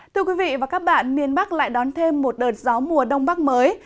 thưa quý vị và các bạn miền bắc lại đón thêm một đợt gió mùa đông bắc mới